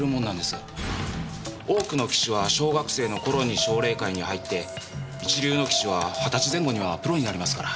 多くの棋士は小学生の頃に奨励会に入って一流の棋士は二十歳前後にはプロになりますから。